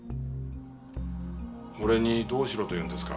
俺にどうしろと言うんですか？